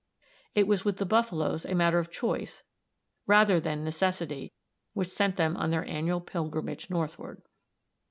It was with the buffaloes a matter of choice rather than necessity which sent them on their annual pilgrimage northward.